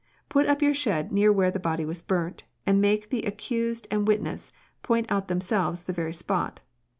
Put up your shed near where the body was burnt, and make the accused and witnesses point out them selves the very spot.